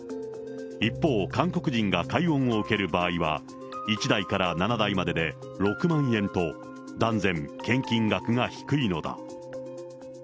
一方、韓国人が解怨を受ける場合は、１代から７代までで６万円と、断然、献金額が低いのだ。